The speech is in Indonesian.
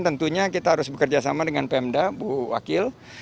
tentunya kita harus bekerjasama dengan pmda bu wakil